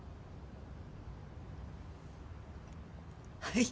はい。